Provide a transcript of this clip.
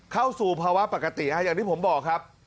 เข้าสู่ภาวะปกติอย่างที่ผมบอกครับ